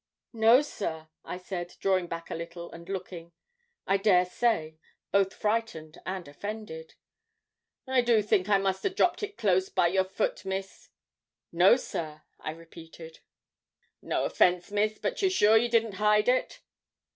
'No, sir,' I said, drawing back a little, and looking, I dare say, both frightened and offended. 'I do think I must 'a dropped it close by your foot, Miss.' 'No, sir,' I repeated. 'No offence, Miss, but you're sure you didn't hide it?'